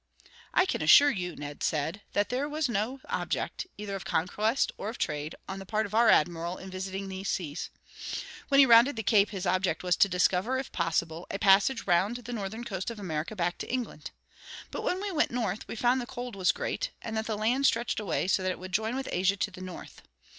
"I can assure you," Ned said, "that there was no object, either of conquest or of trade, on the part of our admiral in visiting these seas. When he rounded the Cape his object was to discover, if possible, a passage round the northern coast of America back to England. But when we went north we found the cold was great, and that the land stretched away so that it would join with Asia to the north.